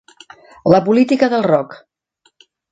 La política del rock.